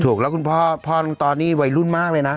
แล้วคุณพ่อพ่อลุงตอสนี่วัยรุ่นมากเลยนะ